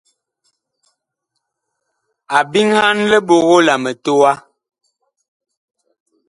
A biŋhan liɓogo la mitowa.